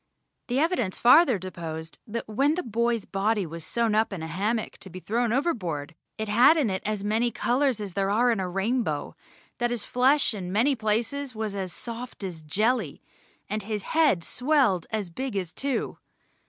The evidence farther deposed that when the boy's body was sewn up in a hammock to be thrown overboard it had in it as many colours as there are in a rainbow, that his flesh in many places was as soft as jelly, and his head swelled as big as two.